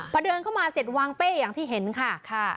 พอเดินเข้ามาเสร็จวางเป้อย่างที่เห็นค่ะ